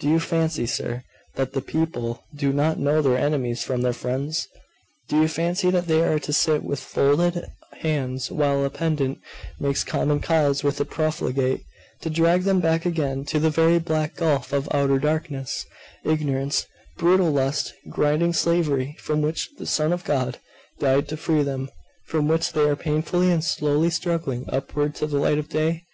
Do you fancy, sir, that the people do not know their enemies from their friends? Do you fancy that they are to sit with folded hands, while a pedant makes common cause with a profligate, to drag them back again into the very black gulf of outer darkness, ignorance, brutal lust, grinding slavery, from which the Son of God died to free them, from which they are painfully and slowly struggling upward to the light of day?